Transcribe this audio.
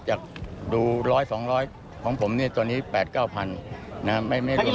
จากดูร้อยสองร้อยของผมเนี่ยตอนนี้๘๙พันนะครับไม่รู้